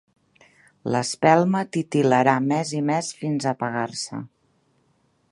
L'espelma titil·larà més i més fins apagar-se.